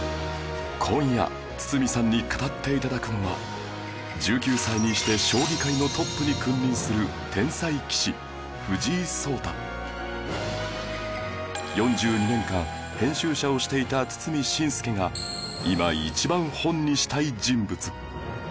今夜堤さんに語っていただくのは１９歳にして将棋界のトップに君臨する天才棋士藤井聡太４２年間編集者をしていた堤伸輔が今一番本にしたい人物